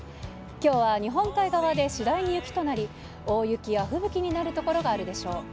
きょうは日本海側で次第に雪となり、大雪や吹雪になる所があるでしょう。